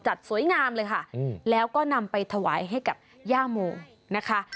สวยงามเลยค่ะแล้วก็นำไปถวายให้กับย่าโมนะคะ